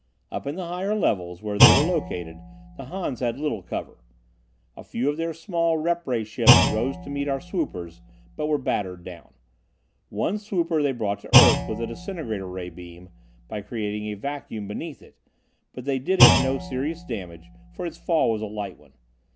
Up in the higher levels where they were located, the Hans had little cover. A few of their small rep ray ships rose to meet our swoopers, but were battered down. One swooper they brought to earth with a disintegrator ray beam, by creating a vacuum beneath it, but they did it no serious damage, for its fall was a light one.